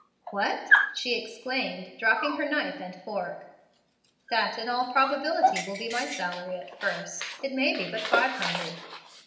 "What!" she exclaimed, dropping her knife and fork. "That, in all probability, will be my salary at first. It may be but five hundred."